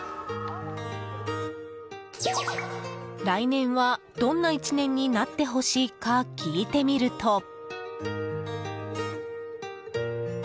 来年は、どんな１年になってほしいか聞いてみると。